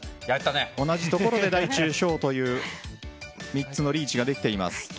同じところで大・中・小という３つのリーチができています。